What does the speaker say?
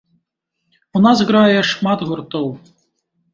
У нас там грае шмат гуртоў.